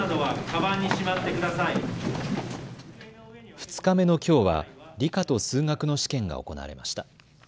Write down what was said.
２日目のきょうは理科と数学の試験が行われました。